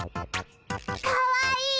かわいい！